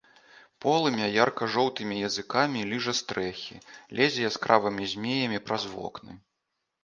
Полымя ярка-жоўтымі языкамі ліжа стрэхі, лезе яскравымі змеямі праз вокны.